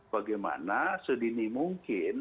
bagaimana sedini mungkin